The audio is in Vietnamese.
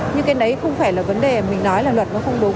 nhưng cái đấy không phải là vấn đề mình nói là luật nó không đúng